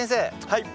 はい。